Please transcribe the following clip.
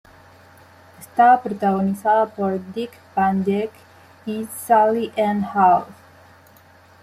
Estaba protagonizada por Dick Van Dyke y Sally Ann Howes.